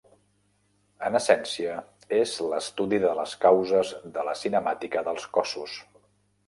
En essència és l'estudi de les causes de la cinemàtica dels cossos.